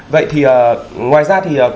vậy thì ngoài ra thì